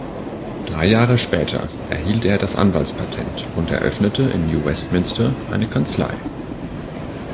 Drei Jahre später erhielt er das Anwaltspatent und eröffnete in New Westminster eine Kanzlei.